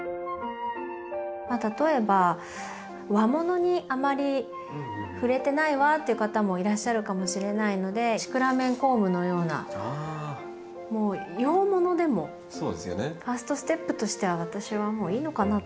例えば「和物にあまり触れてないわ」っていう方もいらっしゃるかもしれないのでシクラメン・コウムのようなもう洋物でもファーストステップとしては私はいいのかなと。